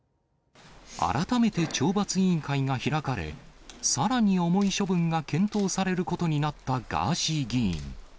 改めて懲罰委員会が開かれ、さらに重い処分が検討されることになったガーシー議員。